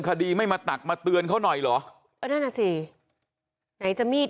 คดีไม่มาตักมาเตือนเขาหน่อยเหรอเออนั่นอ่ะสิไหนจะมีด